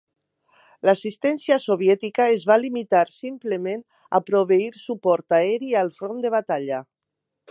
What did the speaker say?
L'assistència soviètica es va limitar simplement a proveir suport aeri al front de batalla.